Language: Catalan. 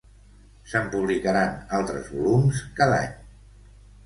Se'n publicaran altres volums cada any.